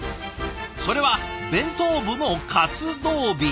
それは弁当部の活動日。